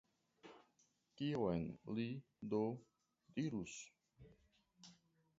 Kion li do dirus?